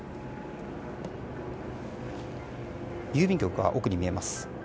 郵便局が奥に見えました。